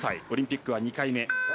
オリンピックは２回目。